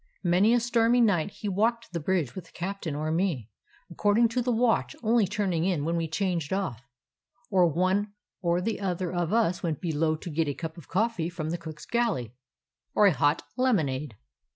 Many a stormy night he walked the bridge with the cap'n or me, according to the watch, only turning in when we changed off, or one or the other of us went below to get a cup of coffee from the cook's galley, or a hot — lemonade.